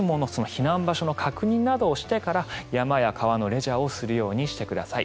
避難場所の確認などをしてから山や川のレジャーをするようにしてください。